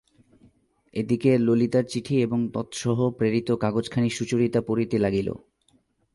এ দিকে ললিতার চিঠি এবং তৎসহ প্রেরিত কাগজখানি সুচরিতা পড়িতে লাগিল।